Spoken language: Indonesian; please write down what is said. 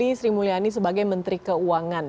sri mulyani sebagai menteri keuangan